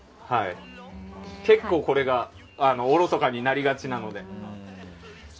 結構これがおろそかになりがちなので。